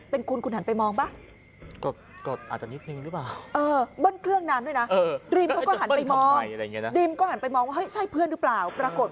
เป็นคุณหันไปมองเปล่า